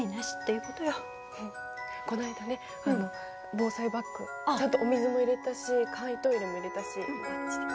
この間ね防災バッグちゃんとお水も入れたし簡易トイレも入れたしばっちり。